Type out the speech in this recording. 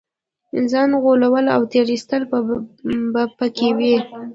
ځان غولول او تېر ایستل به په کې وي.